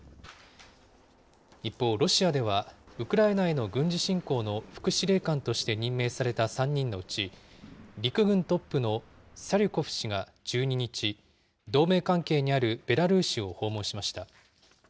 一方、ロシアではウクライナへの軍事侵攻の副司令官として任命された３人のうち、陸軍トップのサリュコフ氏が１２日、同盟関係にあるベラルーシを訪問しました。